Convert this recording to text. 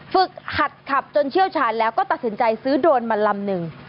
หัดขับจนเชี่ยวชาญแล้วก็ตัดสินใจซื้อโดรนมาลำหนึ่ง